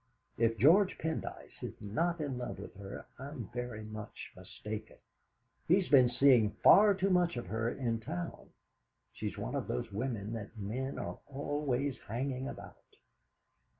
If George Pendyce is not in love with her, I'm very much mistaken. He's been seeing far too much of her in town. She's one of those women that men are always hanging about!"